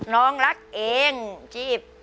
น้องรักเองจีบ